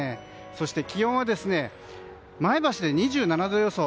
そして気温は前橋で２７度予想。